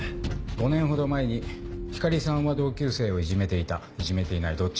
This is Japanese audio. ５年ほど前に光莉さんは同級生をいじめていたいじめていないどっち？